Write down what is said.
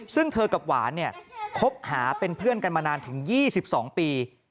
ซึ่งเธอกับหวานเนี่ยคบหาเป็นเพื่อนกันมานานถึง๒๒ปี